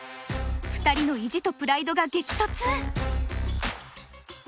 ２人の意地とプライドが激突。